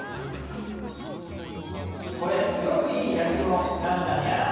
これ、すごくいい焼き物なんだにゃあ。